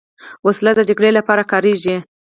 وسله د جګړې لپاره کارېږي